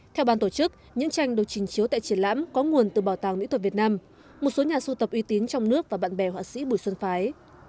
theo ban tổ chức những tranh được trình chiếu tại triển lãm có nguồn từ bảo tàng mỹ thuật việt nam một số nhà sưu tập uy tín trong nước và bạn bè họa sĩ bùi xuân phái